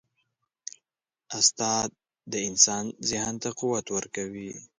استاد د انسان ذهن ته قوت ورکوي.